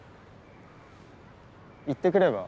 行ってくれば？